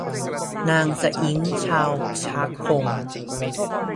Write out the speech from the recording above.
นางสะอิ้งชาวชากพง